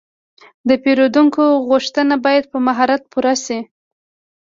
د پیرودونکي غوښتنه باید په مهارت پوره شي.